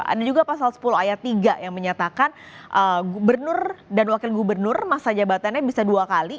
ada juga pasal sepuluh ayat tiga yang menyatakan gubernur dan wakil gubernur masa jabatannya bisa dua kali